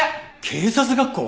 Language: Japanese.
警察学校！？